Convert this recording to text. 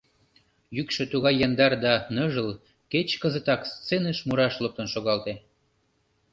Йӱкшӧ тугай яндар да ныжыл, кеч кызытак сценыш мураш луктын шогалте.